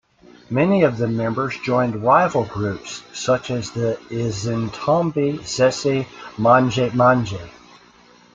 Many of the members joined rival groups such as Izintombi Zesi Manje Manje.